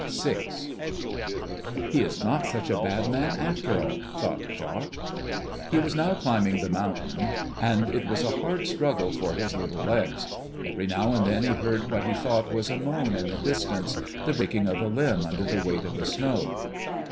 VI. "He is not such a bad man, after all," thought Jacques. He was now climbing the mountain, and it was a hard struggle for his little legs. Every now and then he heard what he thought was a moan in the distance, the breaking of a limb under the weight of the snow.